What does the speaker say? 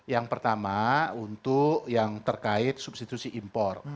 yang pertama untuk yang terkait substitusi impor